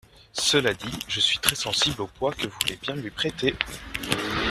Cela dit, je suis très sensible au poids que vous voulez bien lui prêtez.